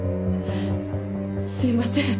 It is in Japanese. すいません。